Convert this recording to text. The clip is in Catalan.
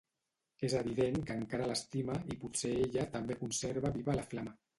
És evident que encara l'estima i potser ella també conserva viva la flama.